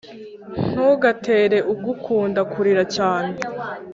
Ntugatere ugukunda kurira cyane